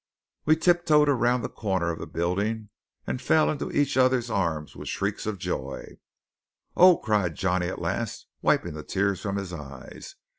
We tiptoed around the corner of the building, and fell into each other's arms with shrieks of joy. "Oh!" cried Johnny at last, wiping the tears from his eyes.